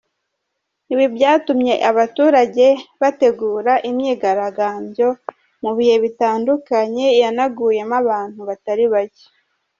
Ibi byatumye abaturage bategura imyigaragambyo mu bihe bitandukanye yanaguyemo abantu batari bake.